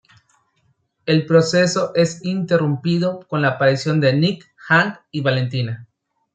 El proceso es interrumpido con la aparición de Nick, Hank y Valentina.